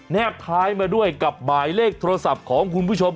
บท้ายมาด้วยกับหมายเลขโทรศัพท์ของคุณผู้ชม